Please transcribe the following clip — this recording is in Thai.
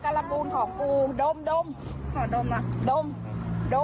เพราะว่าต้องเป็นที่แอกตาร์จอด